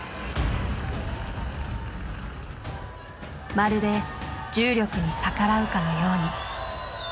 まるで重力に逆らうかのように。